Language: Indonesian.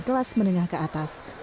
dan kelas menengah ke atas